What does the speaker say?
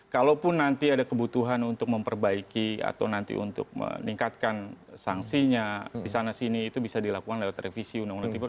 kalaupun nanti ada kebutuhan untuk memperbaiki atau nanti untuk meningkatkan sanksinya di sana sini itu bisa dilakukan lewat revisi undang undang tipikor